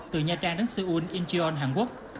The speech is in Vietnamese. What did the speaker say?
từ nha trang đến seoul incheon hàn quốc